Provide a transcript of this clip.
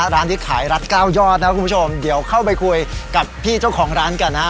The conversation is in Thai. ร้านที่ขายรัฐ๙ยอดนะคุณผู้ชมเดี๋ยวเข้าไปคุยกับพี่เจ้าของร้านกันฮะ